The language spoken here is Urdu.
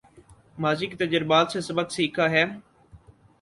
ماضی کے تجربات سے سبق سیکھا ہے